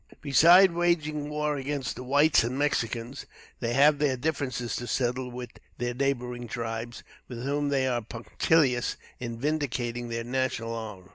Besides waging war against the whites and Mexicans, they have their differences to settle with their neighboring tribes, with whom they are punctilious in vindicating their national honor.